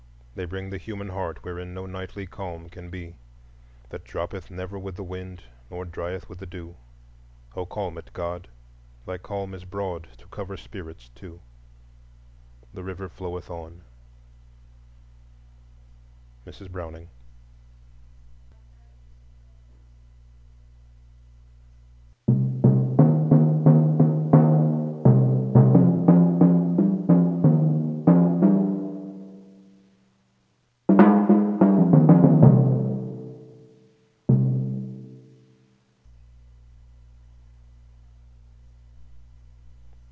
They bring the human heart wherein No nightly calm can be; That droppeth never with the wind, Nor drieth with the dew; O calm it, God; thy calm is broad To cover spirits too. The river floweth on. MRS. BROWNING.